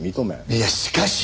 いやしかし！